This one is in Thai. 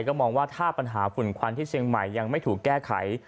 ก็มองว่าถ้าปัญหาฝุ่นควันที่เชียงใหม่ยังไม่ถูกแก้ไข